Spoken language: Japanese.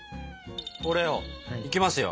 これをいきますよ。